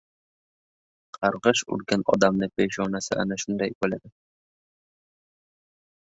— Qarg‘ish urgan odamni peshonasi ana shunday bo‘ladi.